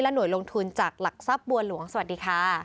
หน่วยลงทุนจากหลักทรัพย์บัวหลวงสวัสดีค่ะ